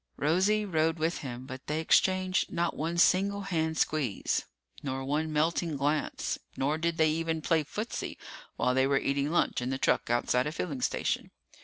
Rosie rode with him, but they exchanged not one single hand squeeze, nor one melting glance, nor did they even play footsie while they were eating lunch in the truck outside a filling station.